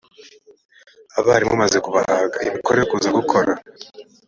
abarimu maze kubahaga imikoro yo ku za gukora